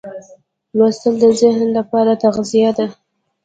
لوستل د ذهن لپاره تغذیه ده.